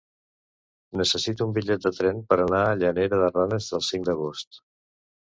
Necessito un bitllet de tren per anar a Llanera de Ranes el cinc d'agost.